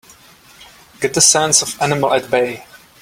Get the sense of an animal at bay!